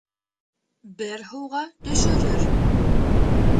Бер һыуға төшөрөр.